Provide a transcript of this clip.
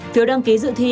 phiếu đăng ký dự thi